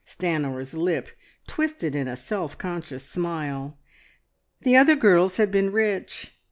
Stanor's lip twisted in a self conscious smile. The other girls had been rich.